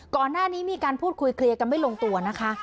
ก่อนหน้านี้มีการพูดคุยเคลียร์กันไม่ลงตัวนะคะ